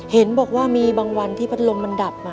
เห็นบอกว่ามีบางวันที่พัดลมมันดับมา